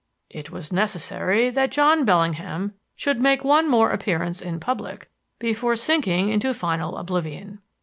It was necessary that John Bellingham should make one more appearance in public before sinking into final oblivion.